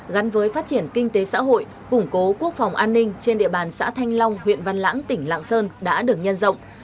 gắn với phát triển kinh tế xã hội củng cố quốc phòng an ninh trên địa bàn xã thanh long huyện văn lãng tỉnh lạng sơn đã được nhân rộng